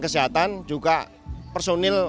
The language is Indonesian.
kesehatan juga personil